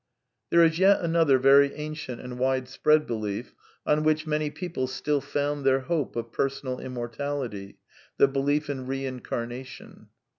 There is yet another very ancient and widespread be lief, on which many people still found their hope of pei> sonal immortality: the belief in Eeincamation.